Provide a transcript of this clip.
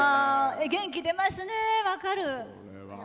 元気出ますね、分かる。